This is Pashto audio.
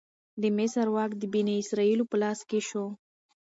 د مصر واک د بنی اسرائیلو په لاس کې شو.